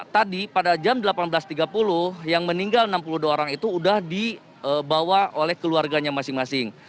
tadi pada jam delapan belas tiga puluh yang meninggal enam puluh dua orang itu sudah dibawa oleh keluarganya masing masing